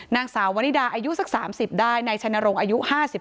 นางสาววริดาอายุสัก๓๐ได้นายชัยนรงค์อายุ๕๓